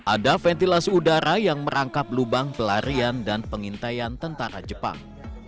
ada ventilasi udara yang merangkap lubang pelarian dan pengintaian tentara jepang